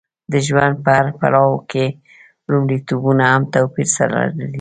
د ژوند په هر پړاو کې لومړیتوبونه هم توپیر سره لري.